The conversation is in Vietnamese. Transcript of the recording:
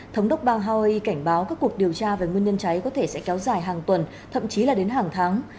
thống đốc bang hawaii cảnh báo các cuộc điều tra về nguyên nhân cháy có thể sẽ kéo dài hàng tuần thậm chí là đến hàng tháng